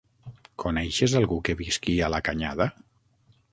Coneixes algú que visqui a la Canyada?